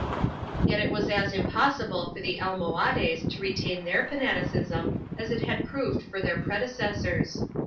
3 Yet it was as impossible for the Almohades to retain their fanaticism as it had proved for their predecessors.